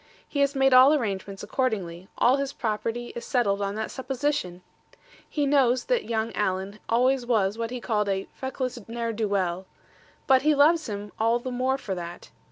He has made all arrangements accordingly: all his property is settled on that supposition. He knows that young Alan always was what he calls a "feckless ne'er do weel;" but he loves him all the more for that.